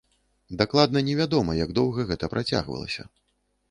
Дакладна невядома, як доўга гэта працягвалася.